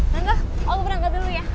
tante alma berangkat dulu ya